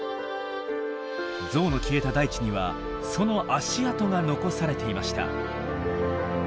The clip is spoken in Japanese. ゾウの消えた大地にはその足跡が残されていました。